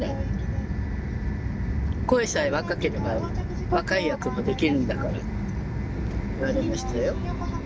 声さえ若ければ若い役もできるんだからって言われましたよ。